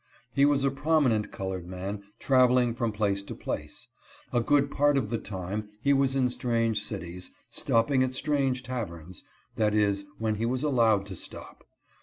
He was a prominent colored man traveling from place to place. A good part of the time he was in strange cities, stopping at strange taverns — that is, when he was allowed to stop.